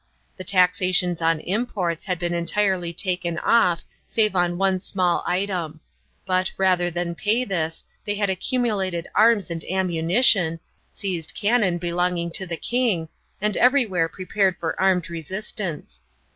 The taxations on imports had been entirely taken off save on one small item; but, rather than pay this, they had accumulated arms and ammunition, seized cannon belonging to the king, and everywhere prepared for armed resistance.